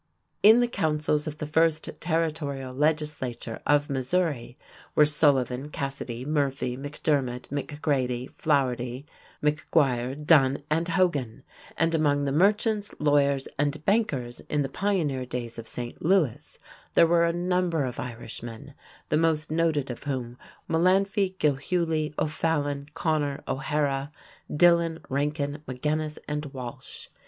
In the councils of the first territorial legislature of Missouri were Sullivan, Cassidy, Murphy, McDermid, McGrady, Flaugherty, McGuire, Dunn, and Hogan, and among the merchants, lawyers, and bankers in the pioneer days of St. Louis there were a number of Irishmen, the most noted of whom were Mullanphy, Gilhuly, O'Fallon, Connor, O'Hara, Dillon, Ranken, Magennis, and Walsh.